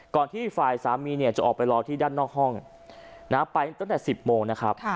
ที่ฝ่ายสามีเนี่ยจะออกไปรอที่ด้านนอกห้องไปตั้งแต่๑๐โมงนะครับ